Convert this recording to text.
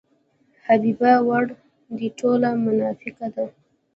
حبیبه ورا دې ټوله مناپیکه ده.